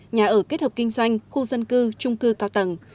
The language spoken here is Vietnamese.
nhà ở kết hợp kinh doanh khu dân cư trung cư cao tầng